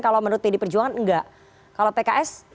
kalau menurut pdp perjuangan enggak